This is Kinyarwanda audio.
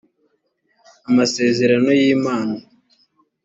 amasezerano y’impano